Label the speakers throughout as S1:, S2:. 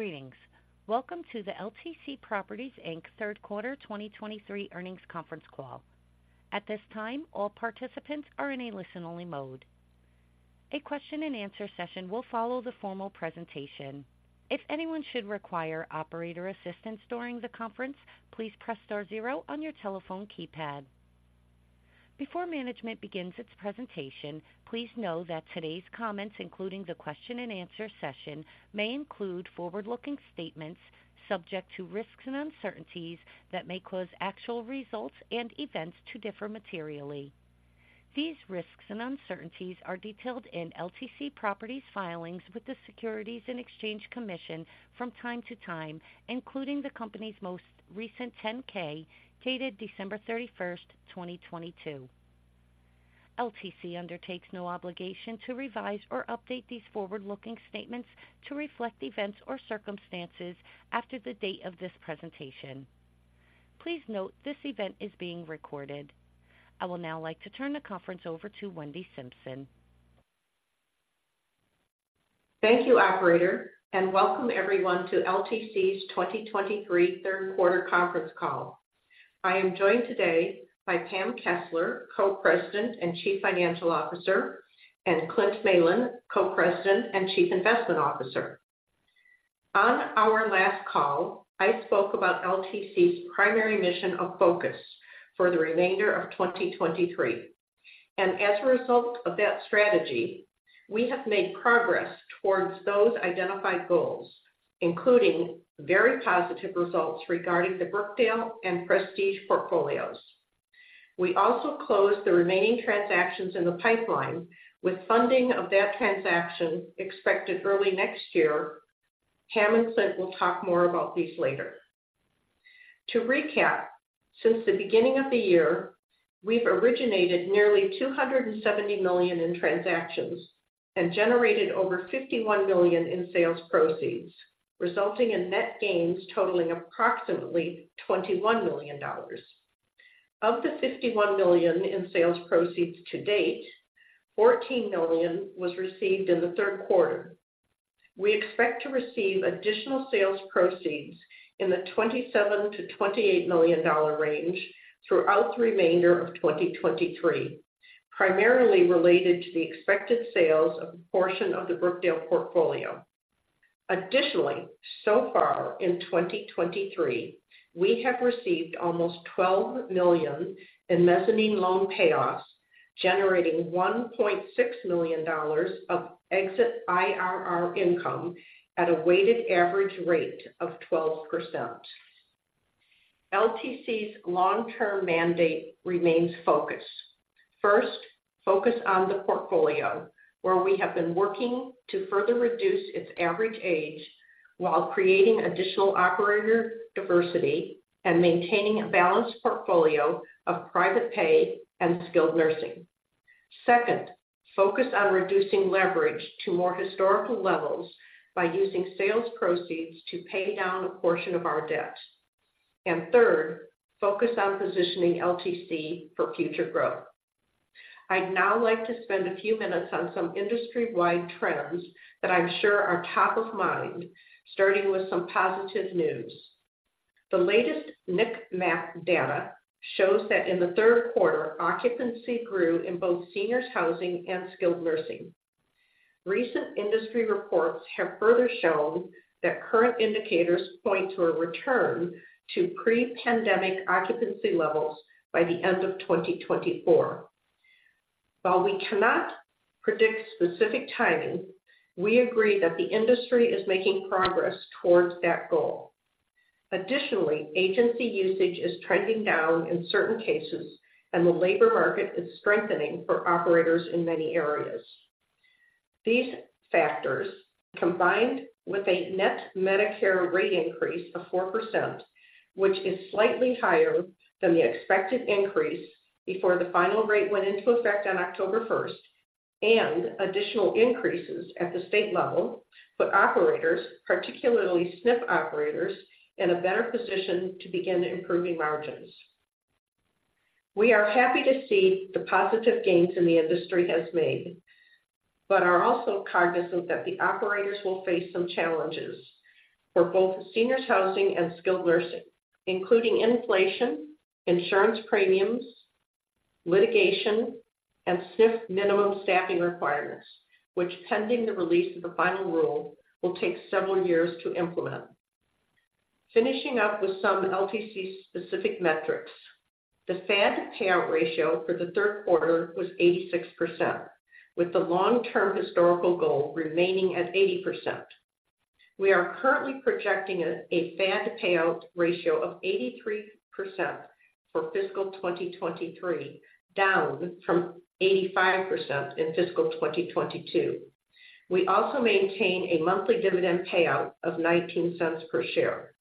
S1: Greetings. Welcome to the LTC Properties, Inc. third quarter 2023 earnings conference call. At this time, all participants are in a listen-only mode. A question-and-answer session will follow the formal presentation. If anyone should require operator assistance during the conference, please press star zero on your telephone keypad. Before management begins its presentation, please know that today's comments, including the question-and-answer session, may include forward-looking statements subject to risks and uncertainties that may cause actual results and events to differ materially. These risks and uncertainties are detailed in LTC Properties' filings with the Securities and Exchange Commission from time to time, including the company's most recent 10-K, dated December 31st, 2022. LTC undertakes no obligation to revise or update these forward-looking statements to reflect events or circumstances after the date of this presentation. Please note, this event is being recorded. I will now like to turn the conference over to Wendy Simpson.
S2: Thank you, operator, and welcome everyone to LTC's 2023 third quarter conference call. I am joined today by Pam Kessler, Co-President and Chief Financial Officer, and Clint Malin, Co-President and Chief Investment Officer. On our last call, I spoke about LTC's primary mission of focus for the remainder of 2023. As a result of that strategy, we have made progress towards those identified goals, including very positive results regarding the Brookdale and Prestige portfolios. We also closed the remaining transactions in the pipeline, with funding of that transaction expected early next year. Pam and Clint will talk more about these later. To recap, since the beginning of the year, we've originated nearly $270 million in transactions and generated over $51 million in sales proceeds, resulting in net gains totaling approximately $21 million. Of the $51 million in sales proceeds to date, $14 million was received in the third quarter. We expect to receive additional sales proceeds in the $27 million-$28 million range throughout the remainder of 2023, primarily related to the expected sales of a portion of the Brookdale portfolio. Additionally, so far in 2023, we have received almost $12 million in mezzanine loan payoffs, generating $1.6 million of exit IRR income at a weighted average rate of 12%. LTC's long-term mandate remains focused. First, focus on the portfolio, where we have been working to further reduce its average age while creating additional operator diversity and maintaining a balanced portfolio of private pay and skilled nursing. Second, focus on reducing leverage to more historical levels by using sales proceeds to pay down a portion of our debt. Third, focus on positioning LTC for future growth. I'd now like to spend a few minutes on some industry-wide trends that I'm sure are top of mind, starting with some positive news. The latest NIC MAP data shows that in the third quarter, occupancy grew in both seniors housing and skilled nursing. Recent industry reports have further shown that current indicators point to a return to pre-pandemic occupancy levels by the end of 2024. While we cannot predict specific timing, we agree that the industry is making progress towards that goal. Additionally, agency usage is trending down in certain cases, and the labor market is strengthening for operators in many areas. These factors, combined with a net Medicare rate increase of 4%, which is slightly higher than the expected increase before the final rate went into effect on October 1st, and additional increases at the state level, put operators, particularly SNF operators, in a better position to begin improving margins. We are happy to see the positive gains in the industry has made, but are also cognizant that the operators will face some challenges for both seniors housing and skilled nursing, including inflation, insurance premiums, litigation, and SNF minimum staffing requirements, which, pending the release of the final rule, will take several years to implement. Finishing up with some LTC specific metrics. The FAD payout ratio for the third quarter was 86%, with the long-term historical goal remaining at 80%. We are currently projecting a FAD payout ratio of 83% for fiscal 2023, down from 85% in fiscal 2022. We also maintain a monthly dividend payout of $0.19 per share.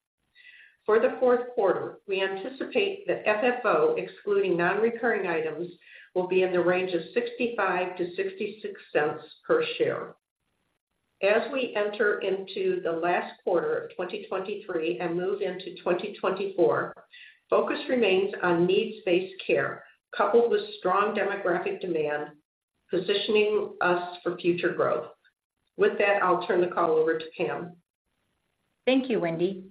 S2: For the fourth quarter, we anticipate that FFO, excluding non-recurring items, will be in the range of $0.65-$0.66 per share. As we enter into the last quarter of 2023 and move into 2024, focus remains on needs-based care, coupled with strong demographic demand, positioning us for future growth. With that, I'll turn the call over to Pam.
S3: Thank you, Wendy.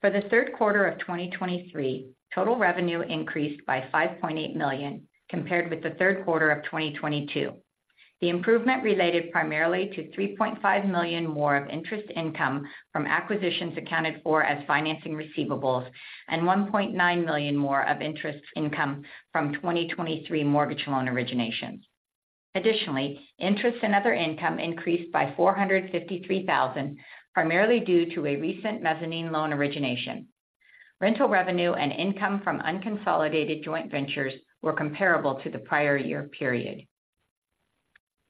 S3: For the third quarter of 2023, total revenue increased by $5.8 million compared with the third quarter of 2022. The improvement related primarily to $3.5 million more of interest income from acquisitions accounted for as financing receivables, and $1.9 million more of interest income from 2023 mortgage loan originations. Additionally, interest and other income increased by $453,000, primarily due to a recent mezzanine loan origination. Rental revenue and income from unconsolidated joint ventures were comparable to the prior year period.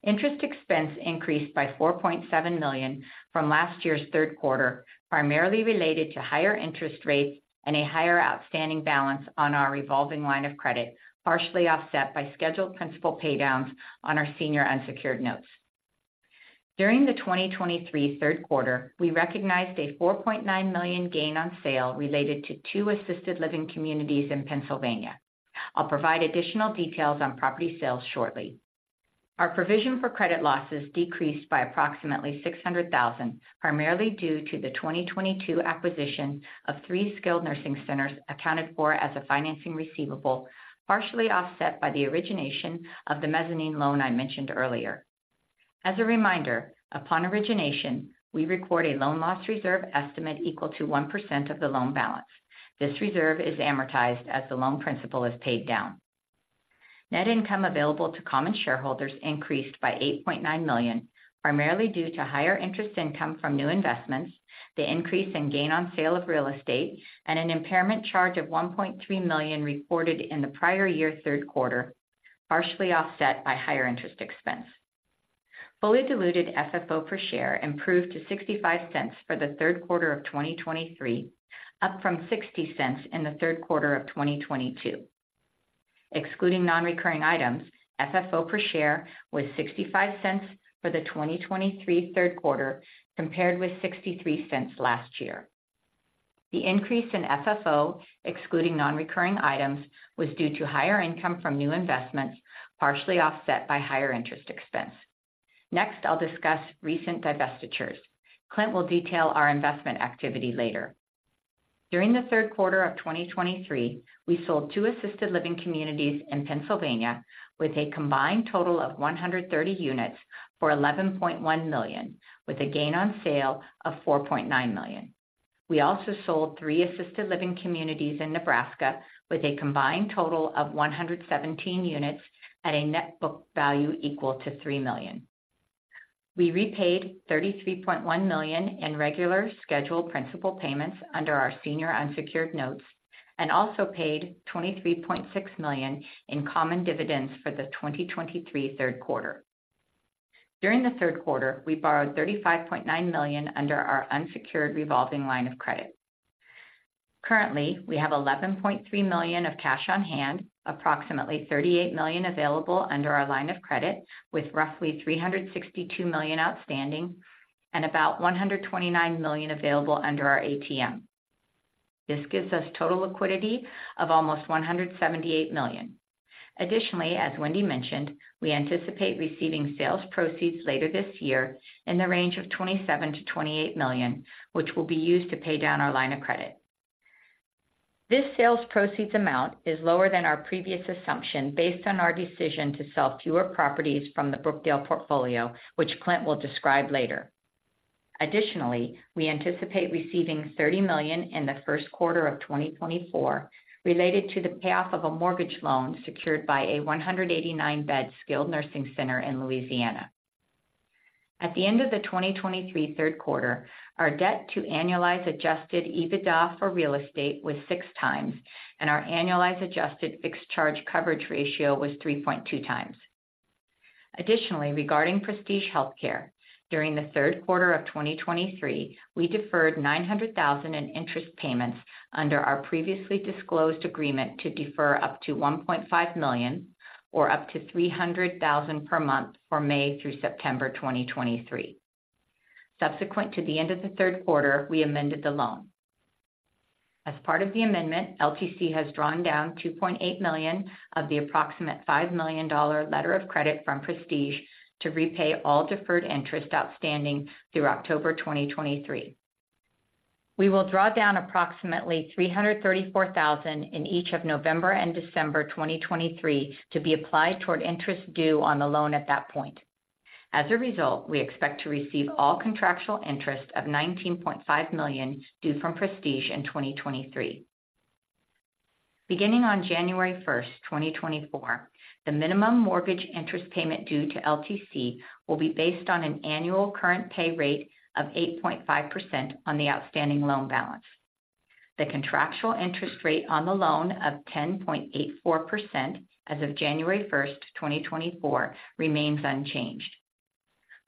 S3: Interest expense increased by $4.7 million from last year's third quarter, primarily related to higher interest rates and a higher outstanding balance on our revolving line of credit, partially offset by scheduled principal paydowns on our senior unsecured notes. During the 2023 third quarter, we recognized a $4.9 million gain on sale related to 2 assisted living communities in Pennsylvania. I'll provide additional details on property sales shortly. Our provision for credit losses decreased by approximately $600,000, primarily due to the 2022 acquisition of 3 skilled nursing centers, accounted for as a financing receivable, partially offset by the origination of the mezzanine loan I mentioned earlier. As a reminder, upon origination, we record a loan loss reserve estimate equal to 1% of the loan balance. This reserve is amortized as the loan principal is paid down. Net income available to common shareholders increased by $8.9 million, primarily due to higher interest income from new investments, the increase in gain on sale of real estate, and an impairment charge of $1.3 million reported in the prior year's third quarter, partially offset by higher interest expense. Fully diluted FFO per share improved to $0.65 for the third quarter of 2023, up from $0.60 in the third quarter of 2022. Excluding non-recurring items, FFO per share was $0.65 for the 2023 third quarter, compared with $0.63 last year. The increase in FFO, excluding non-recurring items, was due to higher income from new investments, partially offset by higher interest expense. Next, I'll discuss recent divestitures. Clint will detail our investment activity later. During the third quarter of 2023, we sold two assisted living communities in Pennsylvania with a combined total of 130 units for $11.1 million, with a gain on sale of $4.9 million. We also sold three assisted living communities in Nebraska with a combined total of 117 units at a net book value equal to $3 million. We repaid $33.1 million in regular scheduled principal payments under our senior unsecured notes and also paid $23.6 million in common dividends for the 2023 third quarter. During the third quarter, we borrowed $35.9 million under our unsecured revolving line of credit. Currently, we have $11.3 million of cash on hand, approximately $38 million available under our line of credit, with roughly $362 million outstanding and about $129 million available under our ATM. This gives us total liquidity of almost $178 million. Additionally, as Wendy mentioned, we anticipate receiving sales proceeds later this year in the range of $27 million-$28 million, which will be used to pay down our line of credit. This sales proceeds amount is lower than our previous assumption, based on our decision to sell fewer properties from the Brookdale portfolio, which Clint will describe later. Additionally, we anticipate receiving $30 million in the first quarter of 2024 related to the payoff of a mortgage loan secured by a 189-bed skilled nursing center in Louisiana. At the end of the 2023 third quarter, our debt to annualized adjusted EBITDA for real estate was 6x, and our annualized adjusted fixed charge coverage ratio was 3.2 times. Additionally, regarding Prestige Healthcare, during the third quarter of 2023, we deferred $900,000 in interest payments under our previously disclosed agreement to defer up to $1.5 million or up to $300,000 per month for May through September 2023. Subsequent to the end of the third quarter, we amended the loan. As part of the amendment, LTC has drawn down $2.8 million of the approximate $5 million letter of credit from Prestige to repay all deferred interest outstanding through October 2023. We will draw down approximately $334,000 in each of November and December 2023 to be applied toward interest due on the loan at that point. As a result, we expect to receive all contractual interest of $19.5 million due from Prestige in 2023. Beginning on January 1st, 2024, the minimum mortgage interest payment due to LTC will be based on an annual current pay rate of 8.5% on the outstanding loan balance. The contractual interest rate on the loan of 10.84% as of January 1st, 2024, remains unchanged.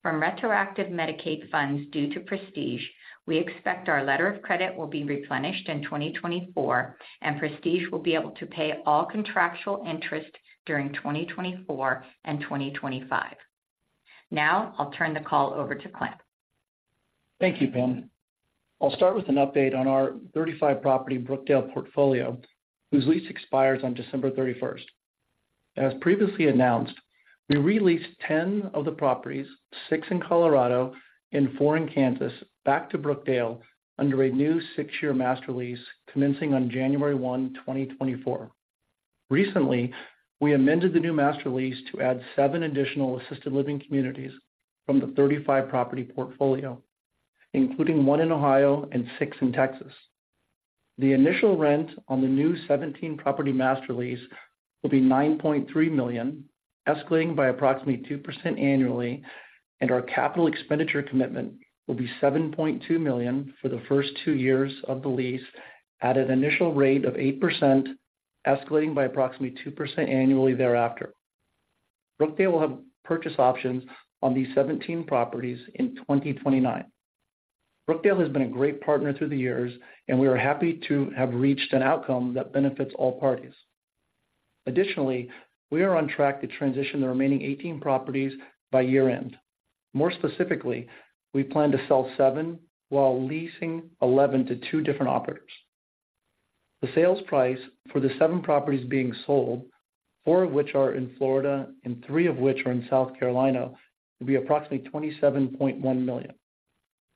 S3: From retroactive Medicaid funds due to Prestige, we expect our letter of credit will be replenished in 2024, and Prestige will be able to pay all contractual interest during 2024 and 2025. Now I'll turn the call over to Clint.
S4: Thank you, Pam. I'll start with an update on our 35-property Brookdale portfolio, whose lease expires on December 31st. As previously announced, we re-leased 10 of the properties, 6 in Colorado and 4 in Kansas, back to Brookdale under a new six-year master lease commencing on January 1st, 2024. Recently, we amended the new master lease to add 7 additional assisted living communities from the 35-property portfolio, including 1 in Ohio and 6 in Texas. The initial rent on the new 17-property master lease will be $9.3 million, escalating by approximately 2% annually, and our capital expenditure commitment will be $7.2 million for the first two years of the lease at an initial rate of 8%, escalating by approximately 2% annually thereafter. Brookdale will have purchase options on these 17 properties in 2029. Brookdale has been a great partner through the years, and we are happy to have reached an outcome that benefits all parties. Additionally, we are on track to transition the remaining 18 properties by year-end. More specifically, we plan to sell 7 while leasing 11 to 2 different operators. The sales price for the 7 properties being sold, 4 of which are in Florida and 3 of which are in South Carolina, will be approximately $27.1 million.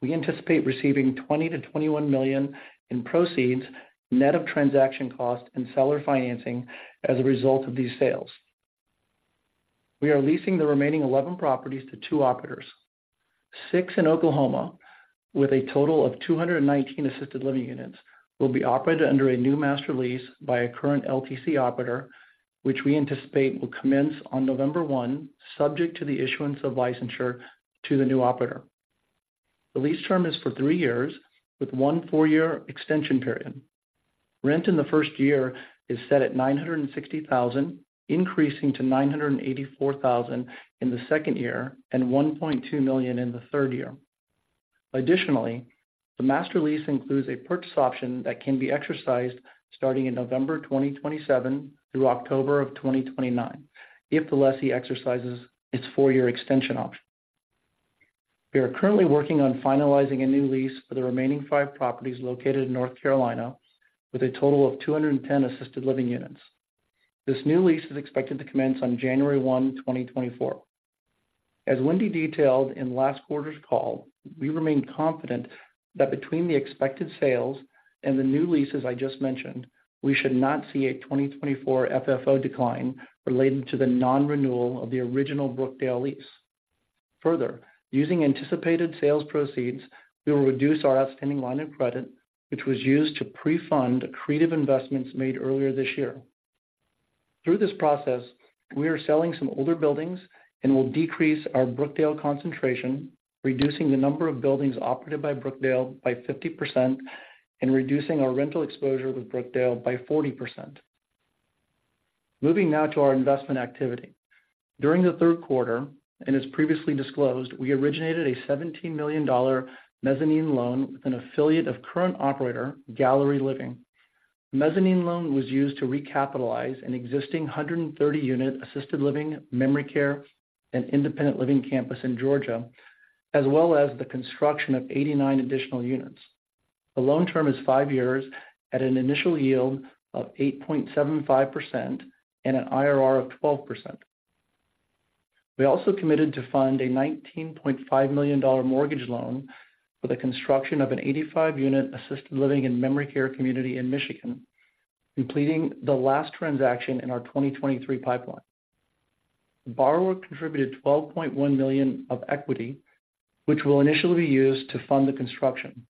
S4: We anticipate receiving $20 million-$21 million in proceeds, net of transaction costs and seller financing as a result of these sales. We are leasing the remaining 11 properties to two operators. Six in Oklahoma, with a total of 219 assisted living units, will be operated under a new master lease by a current LTC operator, which we anticipate will commence on November 1st, subject to the issuance of licensure to the new operator. The lease term is for three years, with one four-year extension period. Rent in the first year is set at $960,000, increasing to $984,000 in the second year and $1.2 million in the third year. Additionally, the master lease includes a purchase option that can be exercised starting in November 2027 through October of 2029 if the lessee exercises its four-year extension option. We are currently working on finalizing a new lease for the remaining five properties located in North Carolina with a total of 210 assisted living units. This new lease is expected to commence on January 1st, 2024. As Wendy detailed in last quarter's call, we remain confident that between the expected sales and the new leases I just mentioned, we should not see a 2024 FFO decline related to the non-renewal of the original Brookdale lease. Further, using anticipated sales proceeds, we will reduce our outstanding line of credit, which was used to pre-fund accretive investments made earlier this year. Through this process, we are selling some older buildings and will decrease our Brookdale concentration, reducing the number of buildings operated by Brookdale by 50% and reducing our rental exposure with Brookdale by 40%. Moving now to our investment activity. During the third quarter, and as previously disclosed, we originated a $17 million mezzanine loan with an affiliate of current operator, Galerie Living. Mezzanine loan was used to recapitalize an existing 130-unit assisted living, memory care, and independent living campus in Georgia, as well as the construction of 89 additional units. The loan term is 5 years at an initial yield of 8.75% and an IRR of 12%. We also committed to fund a $19.5 million mortgage loan for the construction of an 85-unit assisted living and memory care community in Michigan, completing the last transaction in our 2023 pipeline. The borrower contributed $12.1 million of equity, which will initially be used to fund the construction.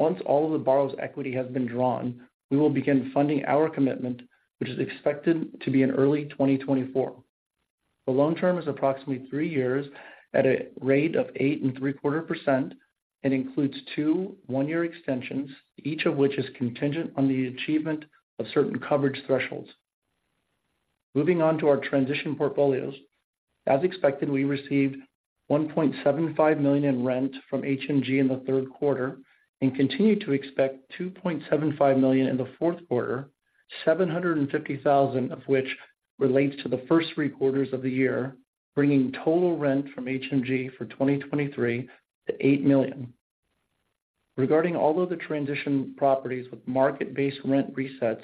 S4: Once all of the borrower's equity has been drawn, we will begin funding our commitment, which is expected to be in early 2024. The loan term is approximately 3 years at a rate of 8.75% and includes two 1-year extensions, each of which is contingent on the achievement of certain coverage thresholds. Moving on to our transition portfolios. As expected, we received $1.75 million in rent from HMG in the third quarter and continue to expect $2.75 million in the fourth quarter, $750,000 of which relates to the first three quarters of the year, bringing total rent from HMG for 2023 to $8 million. Regarding all of the transition properties with market-based rent resets,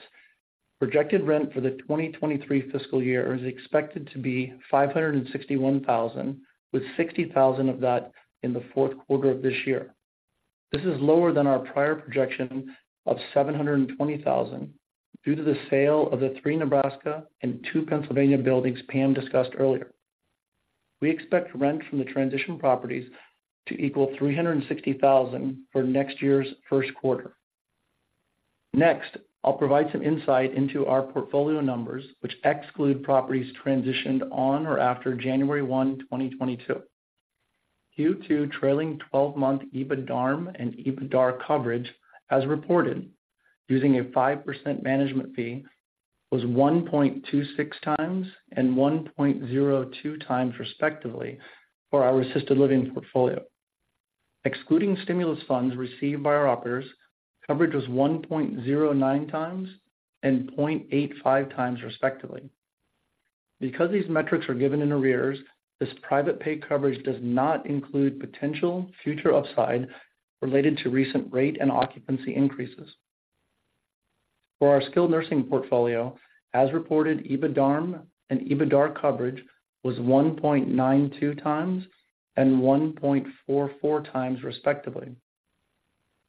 S4: projected rent for the 2023 fiscal year is expected to be $561,000, with $60,000 of that in the fourth quarter of this year. This is lower than our prior projection of $720,000, due to the sale of the three Nebraska and two Pennsylvania buildings Pam discussed earlier. We expect rent from the transition properties to equal $360,000 for next year's first quarter. Next, I'll provide some insight into our portfolio numbers, which exclude properties transitioned on or after January 1st, 2022. Q2 trailing 12-month EBITDARM and EBITDA coverage, as reported, using a 5% management fee, was 1.26 times and 1.02 times, respectively, for our assisted living portfolio. Excluding stimulus funds received by our operators, coverage was 1.09 times and 0.85 times, respectively. Because these metrics are given in arrears, this private pay coverage does not include potential future upside related to recent rate and occupancy increases. For our skilled nursing portfolio, as reported, EBITDARM and EBITDAR coverage was 1.92 times and 1.44 times, respectively.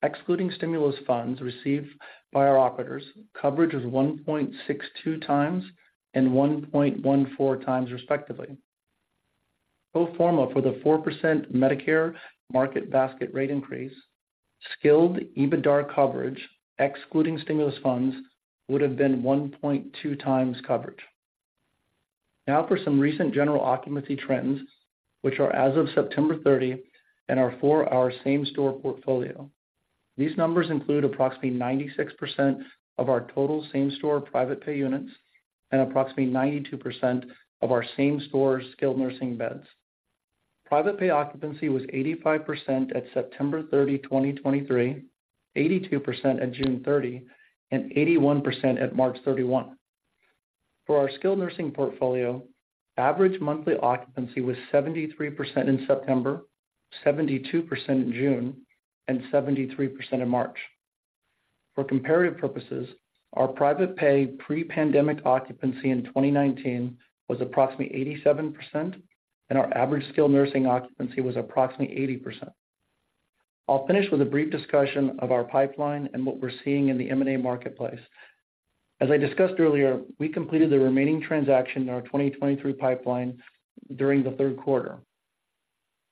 S4: Excluding stimulus funds received by our operators, coverage is 1.62 times and 1.14 times, respectively. Pro forma, for the 4% Medicare market basket rate increase, skilled EBITDAR coverage, excluding stimulus funds, would have been 1.2 times coverage. Now for some recent general occupancy trends, which are as of September 30th, and are for our same store portfolio. These numbers include approximately 96% of our total same store private pay units and approximately 92% of our same store skilled nursing beds. Private pay occupancy was 85% at September 30th, 2023, 82% at June 30, and 81% at March 31st. For our skilled nursing portfolio, average monthly occupancy was 73% in September, 72% in June, and 73% in March. For comparative purposes, our private pay pre-pandemic occupancy in 2019 was approximately 87%, and our average skilled nursing occupancy was approximately 80%. I'll finish with a brief discussion of our pipeline and what we're seeing in the M&A marketplace. As I discussed earlier, we completed the remaining transaction in our 2023 pipeline during the third quarter.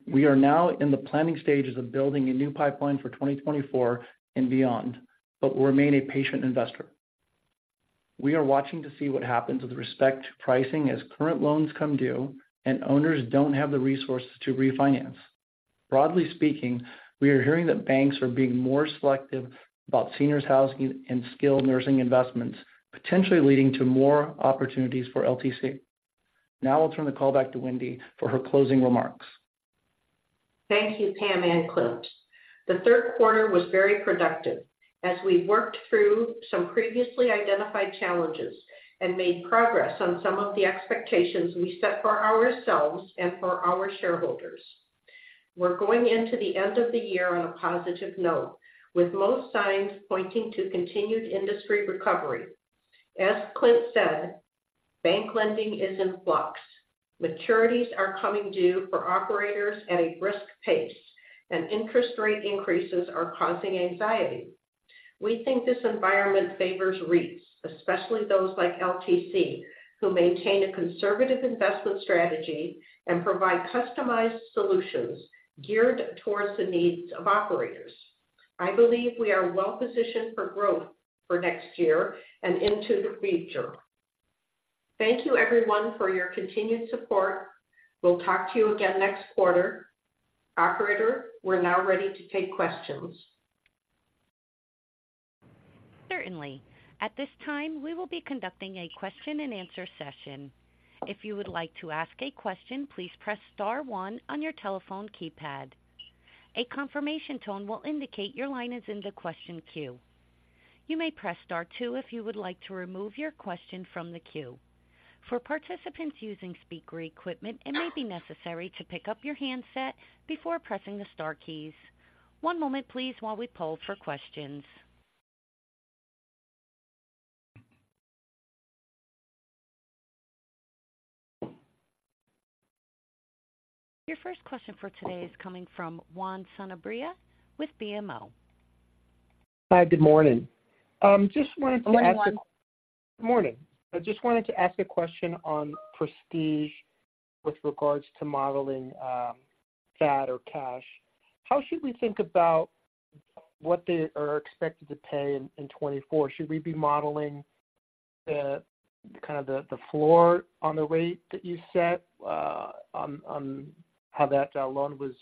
S4: We are now in the planning stages of building a new pipeline for 2024 and beyond, but will remain a patient investor. We are watching to see what happens with respect to pricing as current loans come due and owners don't have the resources to refinance. Broadly speaking, we are hearing that banks are being more selective about seniors housing and skilled nursing investments, potentially leading to more opportunities for LTC. Now I'll turn the call back to Wendy for her closing remarks.
S2: Thank you, Pam and Clint. The third quarter was very productive as we worked through some previously identified challenges and made progress on some of the expectations we set for ourselves and for our shareholders. We're going into the end of the year on a positive note, with most signs pointing to continued industry recovery. As Clint said, bank lending is in flux. Maturities are coming due for operators at a brisk pace, and interest rate increases are causing anxiety. We think this environment favors REITs, especially those like LTC, who maintain a conservative investment strategy and provide customized solutions geared towards the needs of operators. I believe we are well positioned for growth for next year and into the future. Thank you, everyone, for your continued support. We'll talk to you again next quarter. Operator, we're now ready to take questions.
S1: Certainly. At this time, we will be conducting a question-and-answer session. If you would like to ask a question, please press star one on your telephone keypad. A confirmation tone will indicate your line is in the question queue. You may press star two if you would like to remove your question from the queue. For participants using speaker equipment, it may be necessary to pick up your handset before pressing the star keys. One moment, please, while we poll for questions. Your first question for today is coming from Juan Sanabria with BMO.
S5: Hi, good morning. Just wanted to ask-
S2: Good morning, Juan.
S5: Morning. I just wanted to ask a question on Prestige with regards to modeling, FAD or cash. How should we think about what they are expected to pay in 2024? Should we be modeling the floor on the rate that you set on how that loan was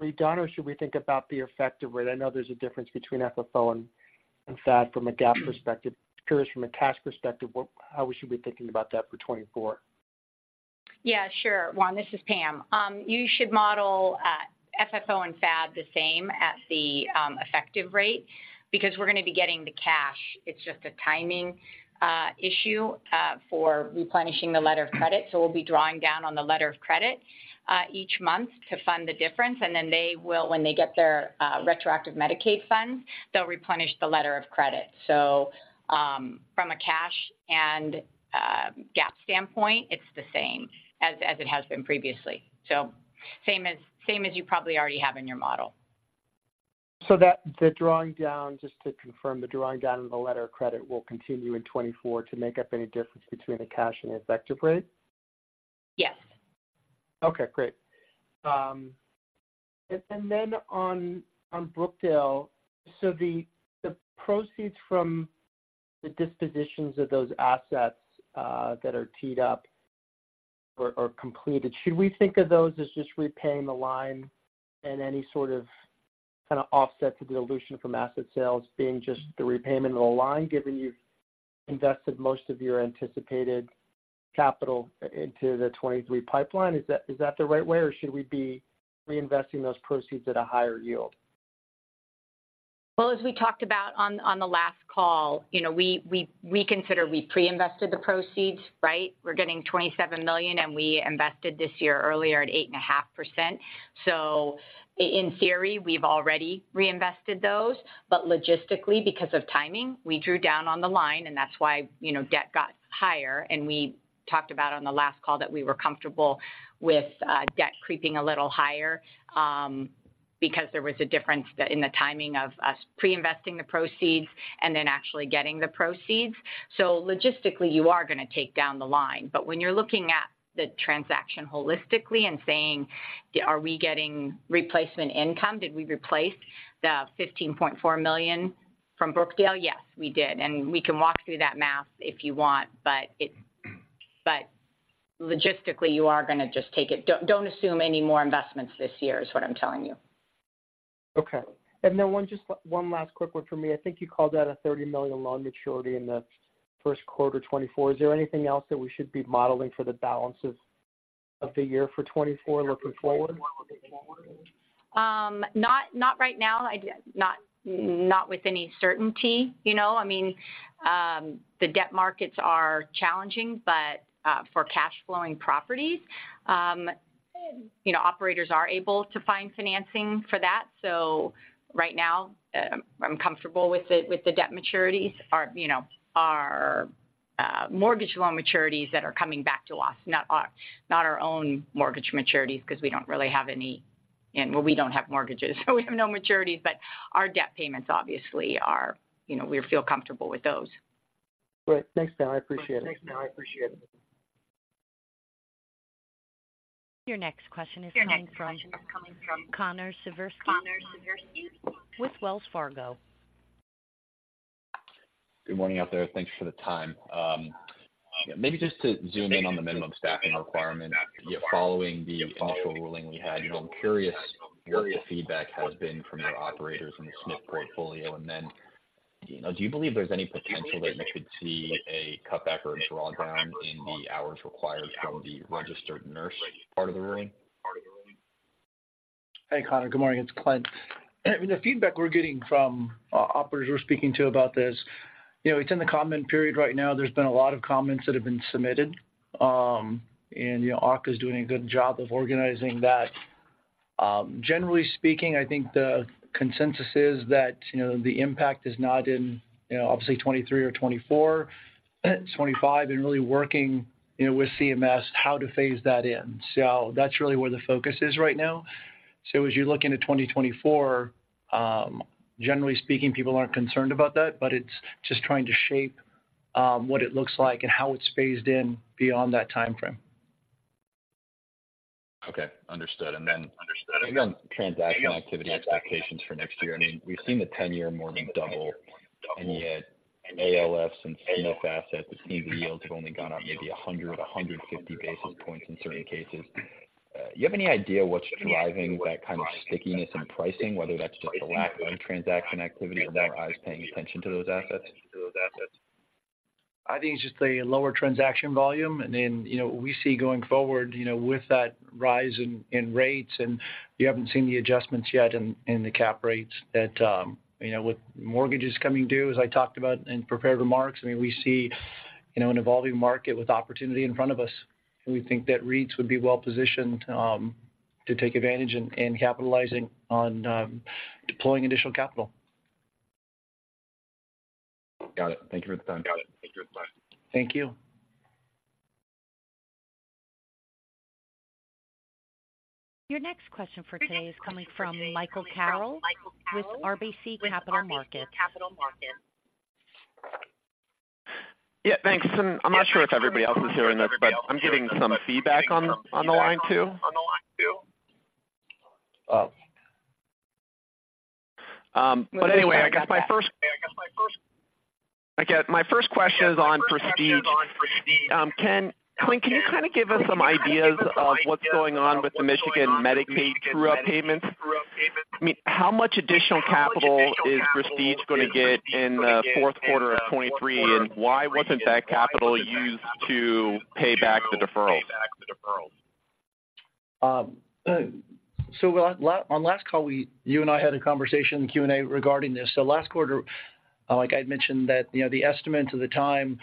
S5: redone? Or should we think about the effective rate? I know there's a difference between FFO and FAD from a GAAP perspective. I'm curious, from a cash perspective, what, how we should be thinking about that for 2024?
S3: Yeah, sure. Juan, this is Pam. You should model FFO and FAD the same at the effective rate, because we're going to be getting the cash. It's just a timing issue for replenishing the letter of credit. So we'll be drawing down on the letter of credit each month to fund the difference, and then they will, when they get their retroactive Medicaid funds, they'll replenish the letter of credit. So from a cash and GAAP standpoint, it's the same as it has been previously. So same as you probably already have in your model.
S5: So that, just to confirm, the drawing down of the letter of credit will continue in 2024 to make up any difference between the cash and the effective rate?
S3: Yes.
S5: Okay, great. And then on Brookdale. So the proceeds from the dispositions of those assets that are teed up or completed, should we think of those as just repaying the line and any sort of kind of offset to dilution from asset sales being just the repayment of the line, given you've invested most of your anticipated capital into the 2023 pipeline? Is that the right way, or should we be reinvesting those proceeds at a higher yield?
S3: Well, as we talked about on the last call, you know, we consider we pre-invested the proceeds, right? We're getting $27 million, and we invested this year earlier at 8.5%. So in theory, we've already reinvested those, but logistically, because of timing, we drew down on the line, and that's why, you know, debt got higher. We talked about on the last call that we were comfortable with debt creeping a little higher, because there was a difference in the timing of us pre-investing the proceeds and then actually getting the proceeds. Logistically, you are going to take down the line. But when you're looking at the transaction holistically and saying, are we getting replacement income? Did we replace the $15.4 million from Brookdale? Yes, we did, and we can walk through that math if you want, but logistically, you are going to just take it. Don't, don't assume any more investments this year is what I'm telling you.
S5: Okay. And then one, just one last quick one for me. I think you called out a $30 million loan maturity in the first quarter 2024. Is there anything else that we should be modeling for the balance of the year for 2024, looking forward?
S3: Not right now. I'm not with any certainty. You know, I mean, the debt markets are challenging, but for cash flowing properties, you know, operators are able to find financing for that. So right now, I'm comfortable with the debt maturities. You know, our mortgage loan maturities that are coming back to us, not our own mortgage maturities, because we don't really have any, and well, we don't have mortgages, so we have no maturities, but our debt payments obviously are, you know, we feel comfortable with those.
S5: Great. Thanks, Pam. I appreciate it.
S1: Your next question is coming from Connor Siversky with Wells Fargo.
S6: Good morning out there. Thanks for the time. Maybe just to zoom in on the minimum staffing requirement, following the official ruling we had, you know, I'm curious what the feedback has been from your operators in the SNF portfolio. And then, do you believe there's any potential that you could see a cutback or a drawdown in the hours required from the registered nurse part of the ruling?
S4: Hey, Connor, good morning. It's Clint. The feedback we're getting from operators we're speaking to about this, you know, it's in the comment period right now. There's been a lot of comments that have been submitted, and, you know, AHCA is doing a good job of organizing that. Generally speaking, I think the consensus is that, you know, the impact is not in, you know, obviously 2023 or 2024, 2025, and really working, you know, with CMS, how to phase that in. So that's really where the focus is right now. So as you look into 2024, generally speaking, people aren't concerned about that, but it's just trying to shape what it looks like and how it's phased in beyond that time frame.
S6: Okay, understood. Then transaction activity expectations for next year. I mean, we've seen the 10-year more than double, and yet in ALFs and SNF assets, it seems the yields have only gone up maybe 100-150 basis points in certain cases. Do you have any idea what's driving that kind of stickiness in pricing, whether that's just a lack of transaction activity or more eyes paying attention to those assets?
S4: I think it's just a lower transaction volume. And then, you know, we see going forward, you know, with that rise in, in rates, and you haven't seen the adjustments yet in, in the cap rates that, you know, with mortgages coming due, as I talked about in prepared remarks, I mean, we see, you know, an evolving market with opportunity in front of us, and we think that REITs would be well positioned, to take advantage and, and capitalizing on, deploying additional capital.
S6: Got it. Thank you for the time.
S4: Thank you.
S1: Your next question for today is coming from Michael Carroll with RBC Capital Markets.
S7: Yeah, thanks. And I'm not sure if everybody else is hearing this, but I'm getting some feedback on, on the line, too. But anyway, I guess my first question is on Prestige. Clint, can you kind of give us some ideas of what's going on with the Michigan Medicaid true-up payments? I mean, how much additional capital is Prestige going to get in the fourth quarter of 2023, and why wasn't that capital used to pay back the deferrals?
S4: So, on last call, you and I had a conversation in the Q&A regarding this. So last quarter, like I'd mentioned, that the estimate at the time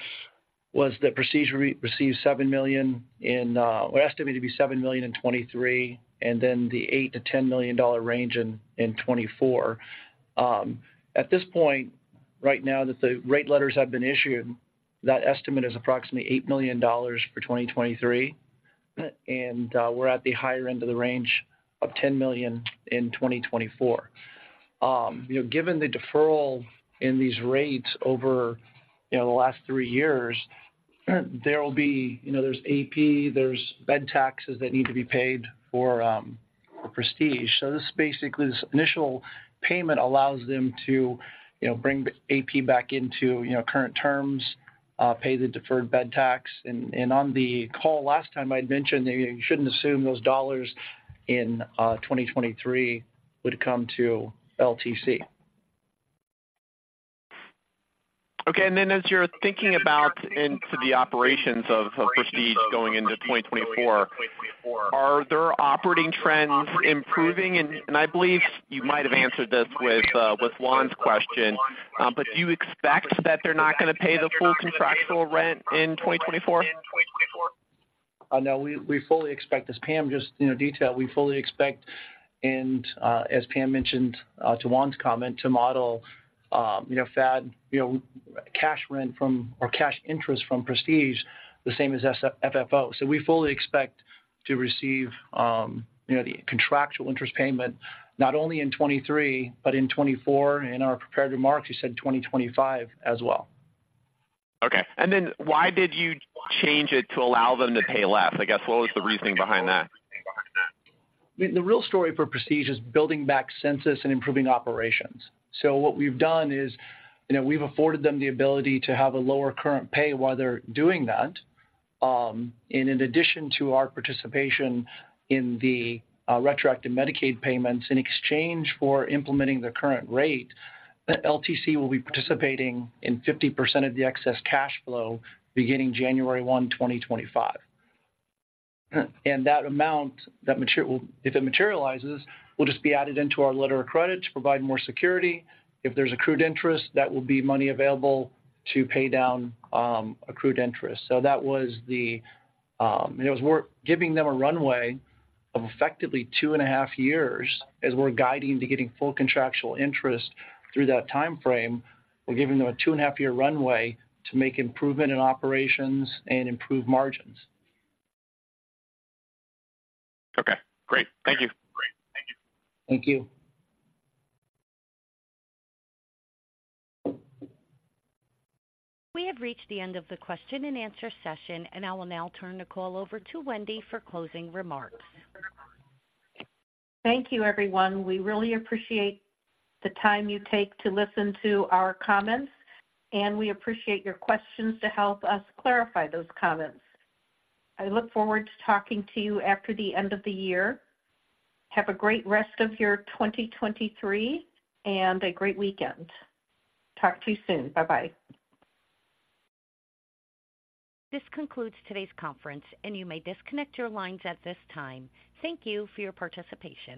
S4: was that Prestige received seven million in, was estimated to be $7 million in 2023, and then the $8 million-$10 million range in 2024. At this point, right now, that the rate letters have been issued, that estimate is approximately $8 million for 2023, and we're at the higher end of the range of $10 million in 2024. You know, given the deferral in these rates over, you know, the last three years, there will be, you know, there's AP, there's bed taxes that need to be paid for, for Prestige. So this basically, this initial payment allows them to, you know, bring the AP back into, you know, current terms, pay the deferred bed tax. And on the call last time, I'd mentioned that you shouldn't assume those dollars in 2023 would come to LTC.
S7: Okay, and then as you're thinking about into the operations of Prestige going into 2024, are there operating trends improving? And I believe you might have answered this with Juan's question, but do you expect that they're not gonna pay the full contractual rent in 2024?
S4: No, we fully expect, as Pam just, you know, detailed, we fully expect and, as Pam mentioned, to Juan's comment, to model, you know, FAD, you know, cash rent from or cash interest from Prestige, the same as FFO. So we fully expect to receive, you know, the contractual interest payment, not only in 2023, but in 2024. In our prepared remarks, we said 2025 as well.
S7: Okay, and then why did you change it to allow them to pay less? I guess, what was the reasoning behind that?
S4: The real story for Prestige is building back census and improving operations. What we've done is, you know, we've afforded them the ability to have a lower current pay while they're doing that. In addition to our participation in the retroactive Medicaid payments, in exchange for implementing the current rate, LTC will be participating in 50% of the excess cash flow beginning January 1st, 2025. That amount, if it materializes, will just be added into our letter of credit to provide more security. If there's accrued interest, that will be money available to pay down accrued interest. That was the, we're giving them a runway of effectively 2.5 years, as we're guiding to getting full contractual interest through that timeframe. We're giving them a 2.5-year runway to make improvement in operations and improve margins.
S7: Okay, great. Thank you.
S4: Great, thank you.
S1: We have reached the end of the question-and-answer session, and I will now turn the call over to Wendy for closing remarks.
S2: Thank you, everyone. We really appreciate the time you take to listen to our comments, and we appreciate your questions to help us clarify those comments. I look forward to talking to you after the end of the year. Have a great rest of your 2023 and a great weekend. Talk to you soon. Bye-bye.
S1: This concludes today's conference, and you may disconnect your lines at this time. Thank you for your participation.